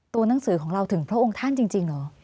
หนังสือของเราถึงพระองค์ท่านจริงเหรอ